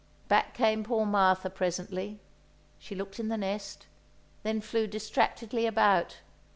Back came poor Martha presently. She looked in the nest, then flew distractedly about.